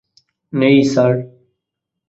নেই, স্যার।